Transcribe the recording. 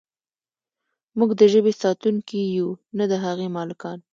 موږ د ژبې ساتونکي یو نه د هغې مالکان.